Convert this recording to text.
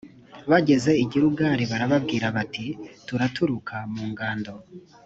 bageze i gilugali barababwira bati turaturuka mu ngando